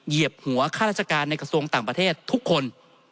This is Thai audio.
เหยียบหัวข้าราชการในกระทรวงต่างประเทศทุกคน